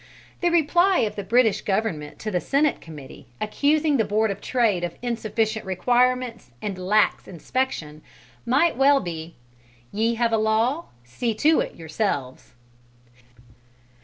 The reply of the British Government to the Senate Committee, accusing the Board of Trade of "insufficient requirements and lax inspection," might well be "Ye have a law: see to it yourselves!"